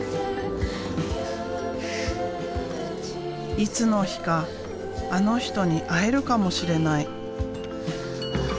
いつの日かあの人に会えるかもしれない。